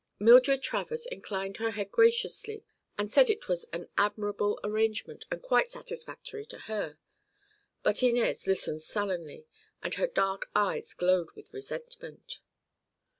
Mildred Travers inclined her head graciously and said it was an admirable arrangement and quite satisfactory to her. But Inez listened sullenly and her dark eyes glowed with resentment.